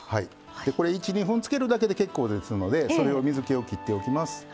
１２分つけるだけで結構ですのでそれを水けを切っておきます。